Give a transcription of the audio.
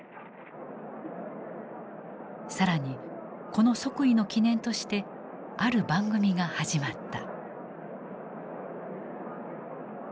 更にこの即位の記念としてある番組が始まった。